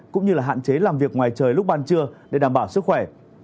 cũng như là hạn chế làm việc ngoài trời lúc ban trưa để đảm bảo sức khỏe